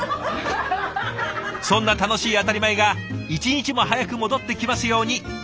そんな楽しい当たり前が一日も早く戻ってきますように。